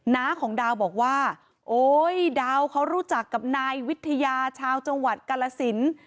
น้าของดาวบอกว่าโอ๊ยดาวเขารู้จักกับนายวิทยาชาวจังหวัดกาลสิน